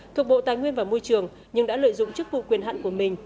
thuộc bộ tài nguyên và môi trường nhưng đã lợi dụng chức vụ quyền hạn của mình